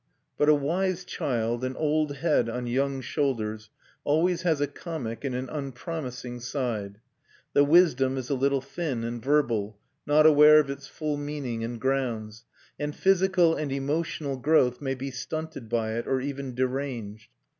But a wise child, an old head on young shoulders, always has a comic and an unpromising side. The wisdom is a little thin and verbal, not aware of its full meaning and grounds; and physical and emotional growth may be stunted by it, or even deranged.